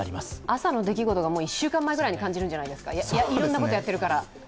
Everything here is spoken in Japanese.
朝の出来事が１週間前ぐらいに感じるんじゃないですか、いろいろなことやってるから。